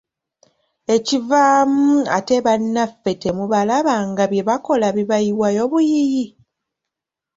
Ekivaamu ate bannaffe temubalaba nga bye bakola bibayiwayo buyiyi.